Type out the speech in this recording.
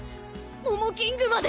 モモキングまで。